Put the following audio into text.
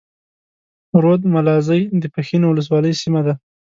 رود ملازۍ د پښين اولسوالۍ سيمه ده.